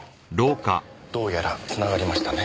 どうやらつながりましたね。